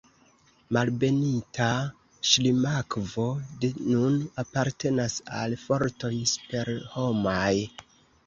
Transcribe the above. Malbenita Ŝlimakvo de nun apartenas al fortoj superhomaj.